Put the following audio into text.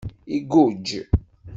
Iguǧǧ.